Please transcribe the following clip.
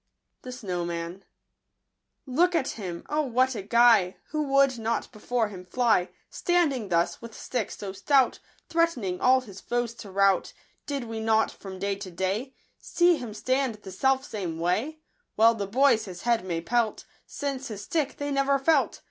Jbnofcmaiu Look at him, O what a Guy ! Who would not before him fly, Standing thus, with stick so stout, Threatening all his foes to rout, Did we not, from day to day, See him stand the self same way ? Well the boys his head may pelt, Since his stick they never felt.'